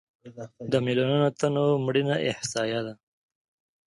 د میلیونونو تنو مړینه احصایه ده.